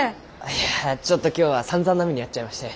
いやちょっと今日はさんざんな目に遭っちゃいまして。